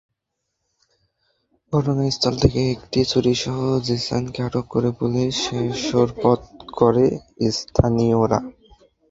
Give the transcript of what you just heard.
ঘটনাস্থল থেকে একটি ছুরিসহ জিসানকে আটক করে পুলিশে সোপর্দ করে স্থানীয়রা।